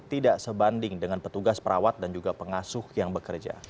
tidak sebanding dengan petugas perawat dan juga pengasuh yang bekerja